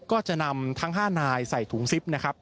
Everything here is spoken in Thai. ก็จะนำทั้ง๕นายใส่ถุงซิปนะครับ